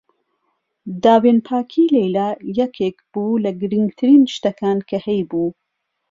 داوێنپاکیی لەیلا یەکێک بوو لە گرنگترین شتەکان کە هەیبوو.